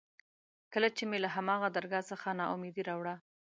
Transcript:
کله چې مې له هماغه درګاه څخه نا اميدي راوړه.